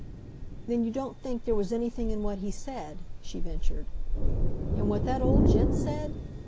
"Then you don't think there was anything in what he said?" she ventured. "In what that old gent said?